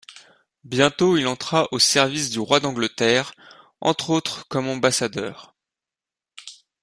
Bientôt il entra au service du roi d’Angleterre, entre autres comme ambassadeur.